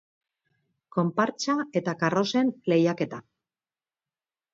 Konpartsa eta karrozen lehiaketa.